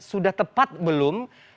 sudah tepat belum